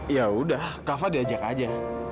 ya udah kak fah diajak aja